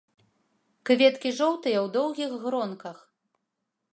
Кветкі жоўтыя ў доўгіх гронках.